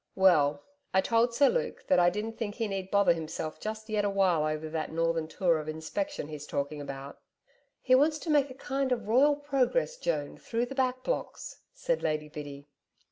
'Well, I told Sir Luke that I didn't think he need bother himself just yet awhile over that northern tour of inspection he's talking about.' 'He wants to make a kind of royal progress, Joan, through the Back Blocks,' said Lady Biddy.